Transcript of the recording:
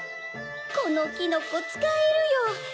このキノコつかえるよ！